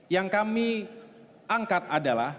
yang kami angkat adalah